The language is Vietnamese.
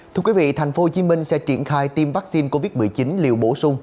thưa quý vị thành phố hồ chí minh sẽ triển khai tiêm vaccine covid một mươi chín liều bổ sung